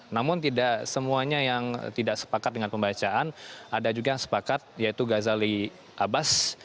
namun tidak semuanya yang tidak sepakat dengan pembacaan ada juga yang sepakat yaitu ghazali abbas